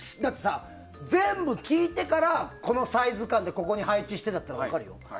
全部聞いてからこのサイズ感でここに配置してとかなら分かるよ。